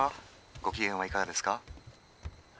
ご機嫌はいかがですか？